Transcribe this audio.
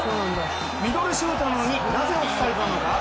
ミドルシュートなのに、なぜオフサイドなのか？